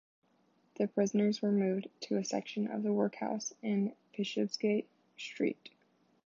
The prisoners were moved to a section of the workhouse in Bishopsgate Street.